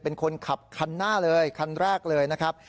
เป็นคนขับคันหน้าเลยคันแรกเลยนะครับ